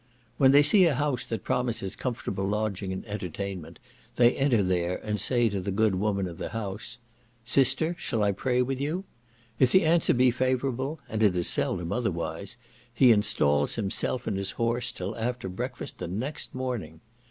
When they see a house that promises comfortable lodging and entertainment, they enter there, and say to the good woman of the house, "Sister, shall I pray with you?" If the answer be favourable, and it is seldom otherwise, he instals himself and his horse till after breakfast the next morning.